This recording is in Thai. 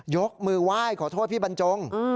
ยกมือไหว้ขอโทษพี่บรรจง